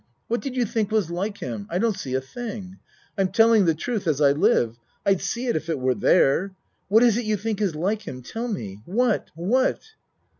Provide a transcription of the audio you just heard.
What did you think was like him? I don't see a thing. I'm telling the truth, as I live. I'd see it if it were there. What is it you think is like him? Tell me. What? What?